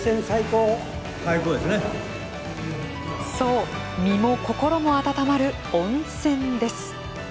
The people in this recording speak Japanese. そう、身も心も温まる温泉です。